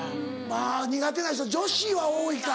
まぁ苦手な人女子は多いか。